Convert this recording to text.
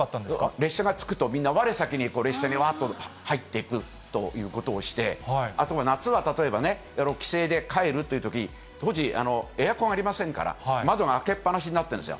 列車が着くと、みんな、われさきに列車にわーっと入っていくということをして、あと、夏は例えばね、帰省で帰るというとき、当時、エアコンありませんから、窓が開けっ放しになってるんですよ。